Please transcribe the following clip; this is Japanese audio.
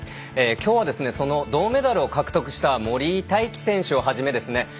きょうはですねその銅メダルを獲得した森井大輝選手を初めですね